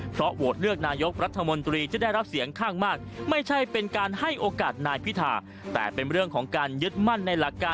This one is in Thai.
เพราะโหวตเลือกนายกรัฐมนตรีจะได้รับเสียงข้างมาก